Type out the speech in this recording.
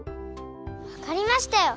わかりましたよ！